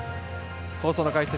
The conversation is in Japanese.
放送の解説